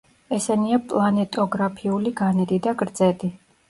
ესენია პლანეტოგრაფიული განედი და გრძედი.